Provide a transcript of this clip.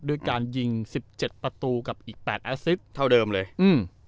ด้วยการยิง๑๗ประตูกับอีก๘อาซิตเท่าเดิมเลยอืม